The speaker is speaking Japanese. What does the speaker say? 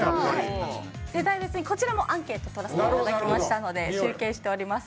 世代別にこちらもアンケート取らせていただきましたので集計しております。